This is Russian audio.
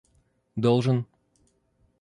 должен